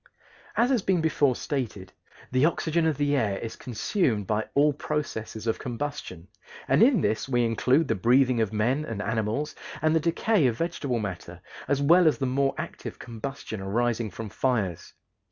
As has been before stated, the oxygen of the air is consumed by all processes of combustion, and in this we include the breathing of men and animals and the decay of vegetable matter, as well as the more active combustion arising from fires.